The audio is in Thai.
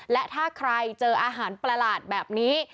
และถ้าใครเจออาหารประหลาดแบบนี้